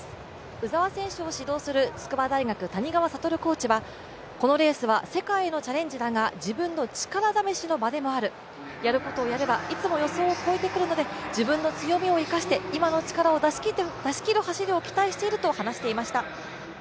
鵜澤選手を指導する筑波大学谷川コーチはこのレースは世界へのチャレンジだが、自分の力試しの場でもある、やることをやればいつも予想を超えてくるので自分の強みを生かして今の力を出し切る走りを期待していると語りました。